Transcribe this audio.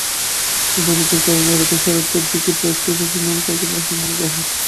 অবরোধের কারণে রাত সাড়ে আটটার দিকে ট্রাকটি অপসোনিনের কারখানার সামনে রাখা হয়।